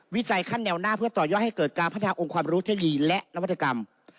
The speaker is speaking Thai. วิจัยขั้นแนวหน้าเพื่อต่อยอดให้เกิดการพัฒนาองค์ความรู้เทคโนโลยีและนวัตกรรม